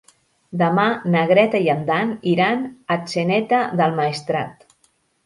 Demà na Greta i en Dan iran a Atzeneta del Maestrat.